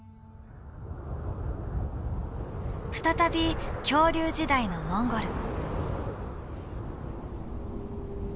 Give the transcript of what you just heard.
再び恐竜時代のモンゴル。